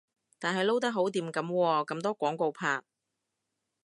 但係撈得好掂噉喎，咁多廣告拍